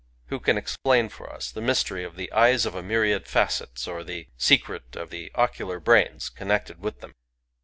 Who can explain for us the mystery of the eyes of a myriad facets, or the secret of the ocular brains connected with them?